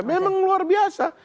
memang luar biasa